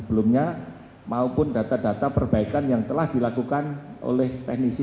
pengemasan sentimentalisme tidak akan tahu di satu ratus satu di berikut pengennya